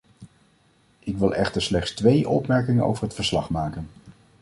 Ik wil echter slechts twee opmerkingen over het verslag maken.